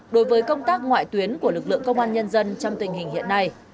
đối với công tác ngoại tuyến của lực lượng công an nhân dân trong tình hình hiện nay